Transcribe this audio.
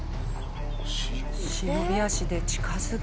忍び足で近づき。